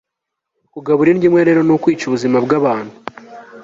kugabura indyo imwe rero ni ukwica ubuzimabw'abantu